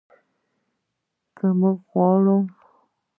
که موږ وغواړو.